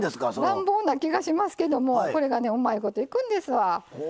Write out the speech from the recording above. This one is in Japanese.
乱暴な気がしますけどこれがうまいこといくんです。